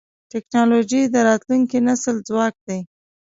ټکنالوجي د راتلونکي نسل ځواک دی.